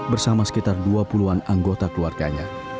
bersama sekitar dua puluh an anggota keluarganya